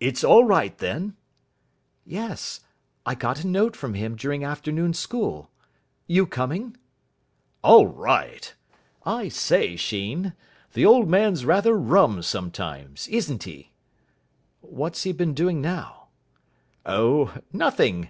"It's all right, then?" "Yes. I got a note from him during afternoon school. You coming?" "All right. I say, Sheen, the Old Man's rather rum sometimes, isn't he?" "What's he been doing now?" "Oh nothing.